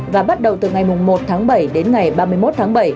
và bắt đầu từ ngày một tháng bảy đến ngày ba mươi một tháng bảy